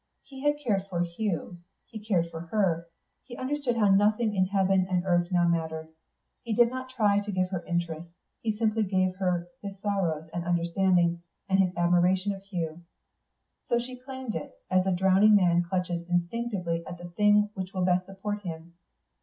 He had cared for Hugh; he cared for her; he understood how nothing in heaven and earth now mattered; he did not try to give her interests; he simply gave her his sorrow and understanding and his admiration of Hugh. So she claimed it, as a drowning man clutches instinctively at the thing which will best support him.